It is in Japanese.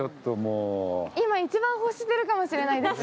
今一番欲してるかもしれないです。